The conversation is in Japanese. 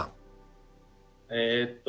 えっと